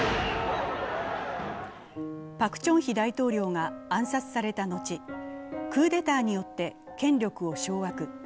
パク・チョンヒ大統領が暗殺された後、クーデターによって権力を掌握。